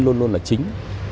luôn là chính